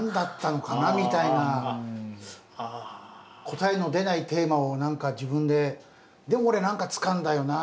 答えの出ないテーマを何か自分で「でも俺何かつかんだよな」